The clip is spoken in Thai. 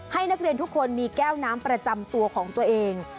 ให้นักเรียนทุกคนมีแก้วน้ำประจำตัวของตัวเอง